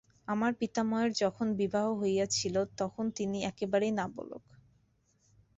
আমার পিতামহের যখন বিবাহ হইয়াছিল, তখন তিনি একেবারেই বালক।